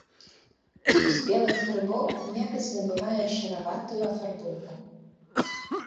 У спелых грыбоў мякаць набывае шараватую афарбоўку.